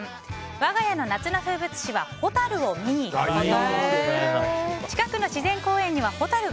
我が家の夏の風物詩はホタルを見に行くこと。